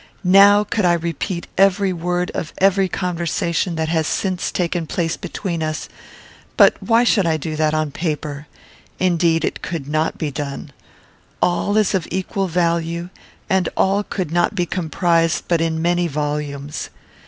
Now could I repeat every word of every conversation that has since taken place between us; but why should I do that on paper? Indeed, it could not be done. All is of equal value, and all could not be comprised but in many volumes.